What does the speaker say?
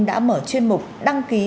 đã mở chuyên mục đăng ký